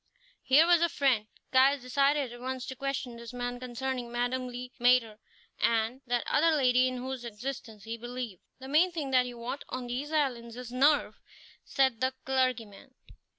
Here was a friend! Caius decided at once to question this man concerning Madame Le Maître, and that other lady in whose existence he believed. "The main thing that you want on these islands is nerve," said the clergyman.